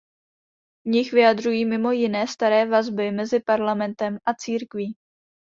V nich vyjadřují mimo jiné staré vazby mezi parlamentem a církví.